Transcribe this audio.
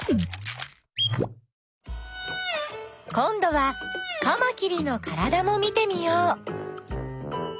こんどはカマキリのからだも見てみよう。